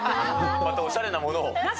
またおしゃれなものを。